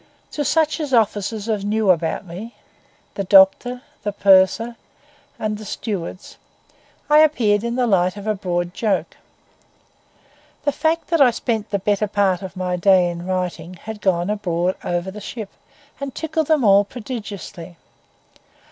To such of the officers as knew about me—the doctor, the purser, and the stewards—I appeared in the light of a broad joke. The fact that I spent the better part of my day in writing had gone abroad over the ship and tickled them all prodigiously.